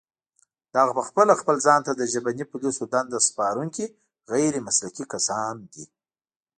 دغه پخپله خپل ځان ته د ژبني پوليسو دنده سپارونکي غير مسلکي کسان دي